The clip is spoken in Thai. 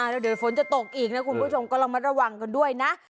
แล้วเดี๋ยวฝนจะตกอีกนะคุณผู้ชมก็ระมัดระวังกันด้วยนะ